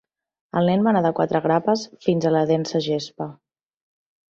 El nen va anar de quatre grapes fins a la densa gespa.